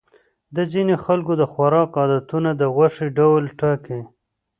د ځینو خلکو د خوراک عادتونه د غوښې ډول ټاکي.